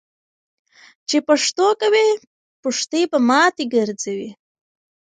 چی پښتو کوی ، پښتي به ماتی ګرځوي .